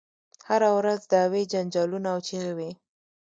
هره ورځ دعوې جنجالونه او چیغې وي.